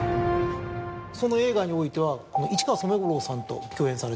その映画においては市川染五郎さんと共演されて。